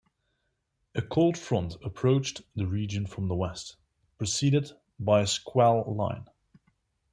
A cold front approached the region from the west, preceded by a squall line.